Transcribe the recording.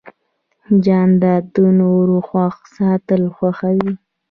جانداد د نورو خوښ ساتل خوښوي.